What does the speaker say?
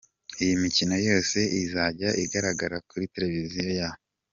Iyi mikino yose izajya igaragara kuri televiziyo ya .